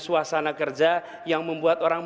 suasana kerja yang membuat orang